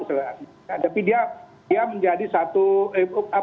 tapi dia menjadi satu